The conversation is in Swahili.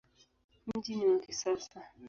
Mji ni wa kisasa.